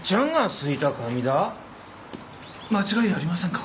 間違いありませんか？